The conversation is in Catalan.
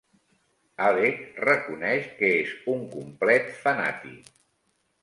Alec reconeix que és un complet fanàtic.